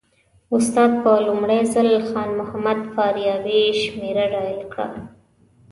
استاد په لومړي ځل خان محمد فاریابي شمېره ډایل کړه.